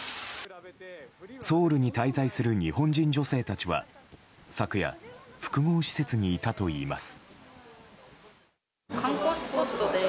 ソウルに滞在する日本人女性たちは昨夜、複合施設にいたといいます。